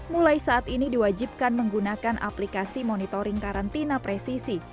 mulai saat ini diwajibkan menggunakan aplikasi monitoring karantina presisi